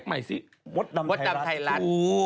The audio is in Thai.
โอ้โหโอ้โหโอ้โหโอ้โหโอ้โหโอ้โหโอ้โหโอ้โหโอ้โห